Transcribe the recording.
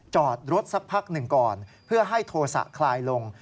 จอดรถสักพักหนึ่งก่อนเพื่อให้โทษะคลายลง